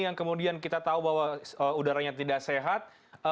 yang kemudian kita tahu bahwa udaranya tidak sehat